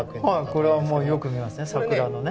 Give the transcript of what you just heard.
これはもうよく見ますね